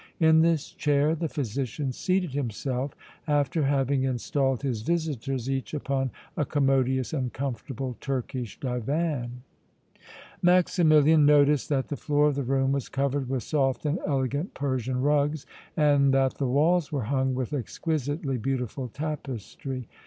In this chair the physician seated himself after having installed his visitors each upon a commodious and comfortable Turkish divan. Maximilian noticed that the floor of the room was covered with soft and elegant Persian rugs and that the walls were hung with exquisitely beautiful tapestry.